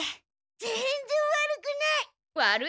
ぜんぜん悪くない。